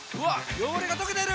汚れが溶けてる！